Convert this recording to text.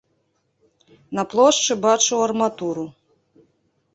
На плошчы бачыў арматуру.